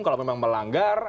kalau memang melanggar